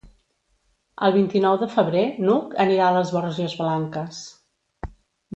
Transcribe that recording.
El vint-i-nou de febrer n'Hug anirà a les Borges Blanques.